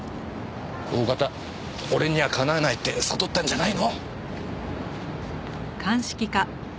大方俺にはかなわないって悟ったんじゃないの？